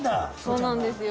そうなんですよ。